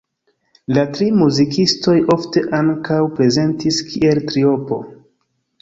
La tri muzikistoj ofte ankaŭ prezentis kiel triopo.